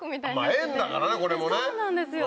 縁だからねこれもね。そうなんですよ。